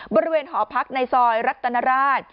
บริเวณหอพรรคในซอยรัตินราช